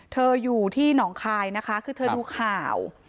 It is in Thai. อยู่ที่หนองคายนะคะคือเธอดูข่าว